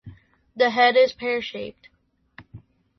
The head is pear shaped.